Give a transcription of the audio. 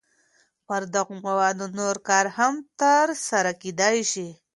پر دغو موادو نور کار هم تر سره کېدای شي.